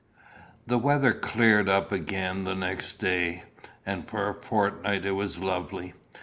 The weather cleared up again the next day, and for a fortnight it was lovely.